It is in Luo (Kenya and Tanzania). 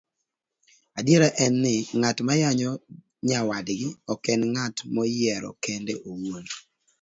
Adiera en ni, ng'at mayanyo nyawadgi ok enng'at moyiero kende owuon,